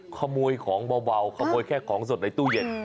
ขโมยของเบาขโมยแค่ของสดในตู้เย็น